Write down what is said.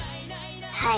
はい。